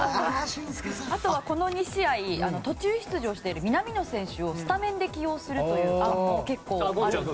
あとは、この２試合途中出場している南野選手をスタメンで起用するという案も。